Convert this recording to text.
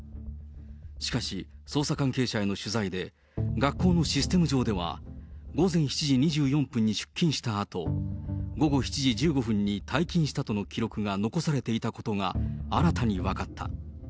しかし、捜査関係者への取材で、学校のシステム上では、午前７時２４分に出勤したあと、午後７時１５分に退勤したとの記録が残されていたことが新たに分かった。